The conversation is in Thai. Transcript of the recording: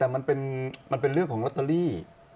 แต่มันเป็นเรื่องของลอตเตอรี่